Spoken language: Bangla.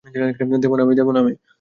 দেবো না আমি।